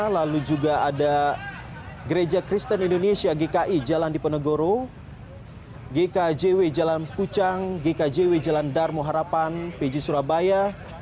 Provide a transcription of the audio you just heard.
lalu juga ada gereja kristen indonesia gki jalan diponegoro gkjw jalan kucang gkjw jalan dar moharapan pj surabaya